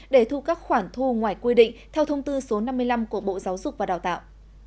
để thu các khoản thu ngoài quy định theo thông tư số năm mươi năm của bộ giáo dục và đào tạo